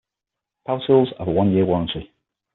Power tools have a one-year warranty.